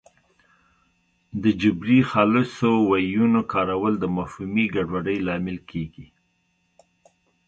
د جبري خالصو ویونو کارول د مفهومي ګډوډۍ لامل کېږي